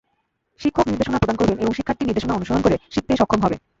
শিক্ষক নির্দেশনা প্রদান করবেন এবং শিক্ষার্থী নির্দেশনা অনুসরণ করে শিখতে সক্ষম হবে।